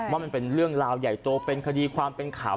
ว่ามันเป็นเรื่องราวใหญ่โตเป็นคดีความเป็นข่าว